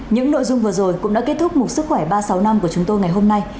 những nội dung vừa rồi cũng đã kết thúc một sức khỏe ba trăm sáu mươi năm của chúng tôi ngày hôm nay